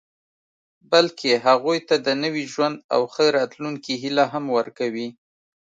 بلکې هغوی ته د نوي ژوند او ښه راتلونکي هیله هم ورکوي